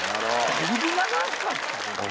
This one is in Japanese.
だいぶ長かったで！